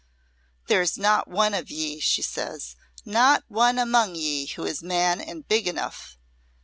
'There is not one of ye,' she says, 'not one among ye who is man and big enough!'